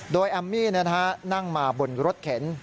โดยแอมมี่นั่งมาบนรถเข็น